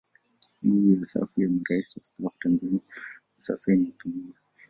Nguvu ya safu ya Marais wastaafu Tanzania kwa sasa imepungua